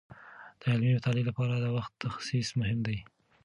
د علمي مطالعې لپاره د وخت تخصیص مهم دی.